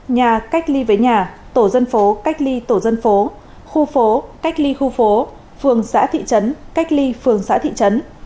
nhà cách ly với nhà tổ dân phố cách ly tổ dân phố khu phố cách ly khu phố phường xã thị trấn cách ly phường xã thị trấn